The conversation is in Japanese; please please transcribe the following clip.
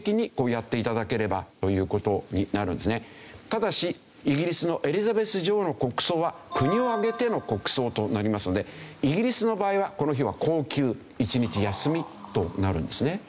ただしイギリスのエリザベス女王の国葬は国を挙げての国葬となりますのでイギリスの場合はこの日は公休一日休みとなるんですね。